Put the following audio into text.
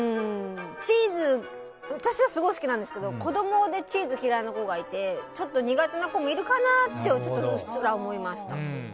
チーズ、私はすごく好きなんですけど子供でチーズ嫌いな子がいてちょっと苦手な子もいるかなってうっすら思いました。